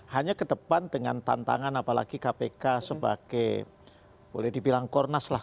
hanya ke depan dengan tantangan apalagi kpk sebagai boleh dibilang kornas lah